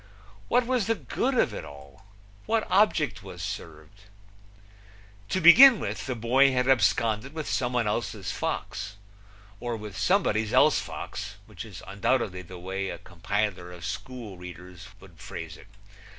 What was the good of it all? What object was served? To begin with, the boy had absconded with somebody else's fox, or with somebody's else fox, which is undoubtedly the way a compiler of school readers would phrase it.